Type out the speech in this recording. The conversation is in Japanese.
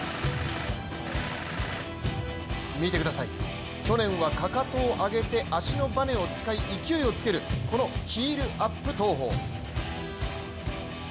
見てください、去年はかかとを上げて足のバネを使い、勢いをつけるこのヒールアップ投法。